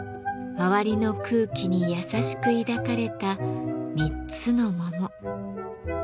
周りの空気に優しく抱かれた３つの桃。